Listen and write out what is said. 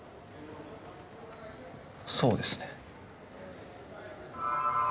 そうですね。